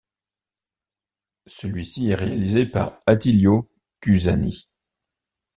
Celui-ci est réalisé par Attilio Cusani.